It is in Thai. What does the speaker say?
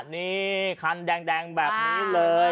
นี่คันแดงแบบนี้เลย